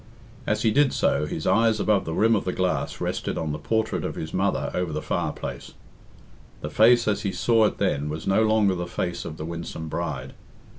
As he did so, his eyes above the rim of the glass rested on the portrait of his mother over the fireplace. The face as he saw it then was no longer the face of the winsome bride.